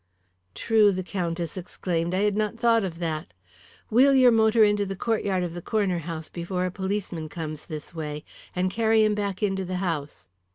"True," the Countess exclaimed. "I had not thought of that. Wheel your motor into the courtyard of the Corner House before a policeman comes this way, and carry him back into the house."